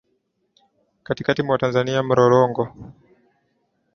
kati kati mwa tanzania morogoro